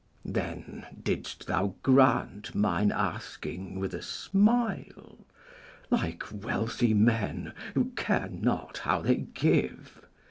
Then didst thou grant mine asking with a smile, Like wealthy men who care not how they give.